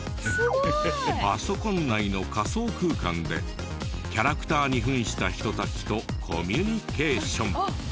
パソコン内の仮想空間でキャラクターに扮した人たちとコミュニケーション。